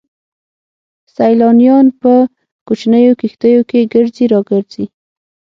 سيلانيان په کوچنيو کښتيو کې ګرځي را ګرځي.